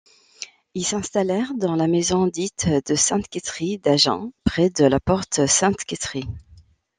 Ils s'installèrent dans la maison dite de Sainte-Quitterie d'Agen, près de la porte Sainte-Quitterie.